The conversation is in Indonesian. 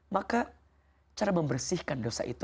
maka cara membersihkan dosa itu